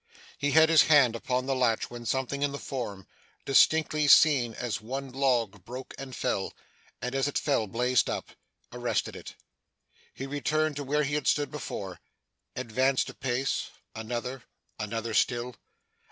He had his hand upon the latch, when something in the form distinctly seen as one log broke and fell, and, as it fell, blazed up arrested it. He returned to where he had stood before advanced a pace another another still.